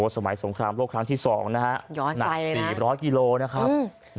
สงครามโลกครั้งที่๒นะฮะหนัก๔๐๐กิโลนะครับ